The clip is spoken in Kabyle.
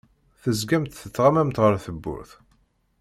Tezgamt tettɣamamt ar tewwurt.